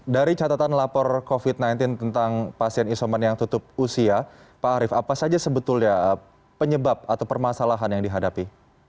dari catatan lapor covid sembilan belas tentang pasien isoman yang tutup usia pak arief apa saja sebetulnya penyebab atau permasalahan yang dihadapi